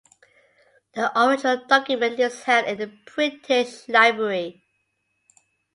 The original document is held in the British Library.